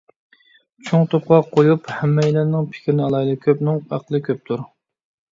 چوڭ توپقا قويۇپ ھەممەيلەننىڭ پىكرىنى ئالايلى. كۆپنىڭ ئەقلى كۆپتۇر.